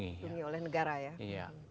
lindungi oleh negara ya